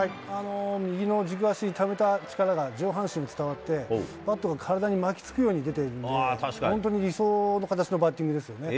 右の軸足にためた力が上半身に伝わって、バットが体に巻きつくように出てるので、本当に理想の形のバッティングですよね。